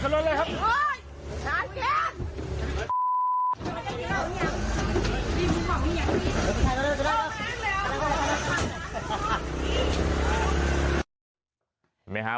สวัสดีครับคุณผู้ชาย